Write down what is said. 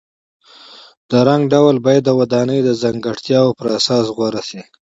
د رنګ ډول باید د ودانۍ د ځانګړتیاو پر اساس غوره شي.